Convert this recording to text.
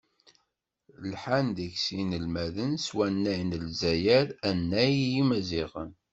Lḥan deg-s yinelmaden s wannay n Lezzayer, annay n yimaziɣen.